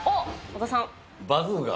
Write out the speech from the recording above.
バズーカ。